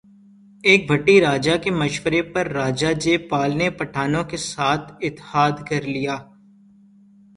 ایک بھٹی راجہ کے مشورے پر راجہ جے پال نے پٹھانوں کے ساتھ اتحاد کر لیا